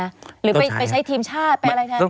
หรือไปใช้ทีมชาติแปลอะไรใช่ไหม